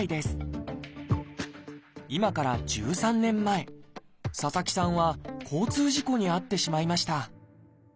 今から１３年前佐々木さんは交通事故に遭ってしまいました。